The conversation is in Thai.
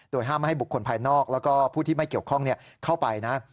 ห้ามไม่ให้บุคคลภายนอกแล้วก็ผู้ที่ไม่เกี่ยวข้องเข้าไปนะ